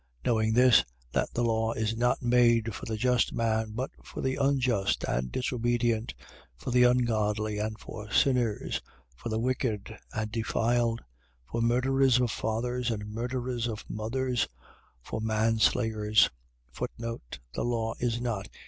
1:9. Knowing this: That the law is not made for the just man but for the unjust and disobedient, for the ungodly and for sinners, for the wicked and defiled, for murderers of fathers and murderers of mothers, for manslayers, The law is not.